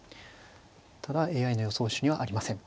ただＡＩの予想手にはありません。